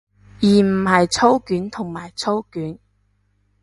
而唔係操卷同埋操卷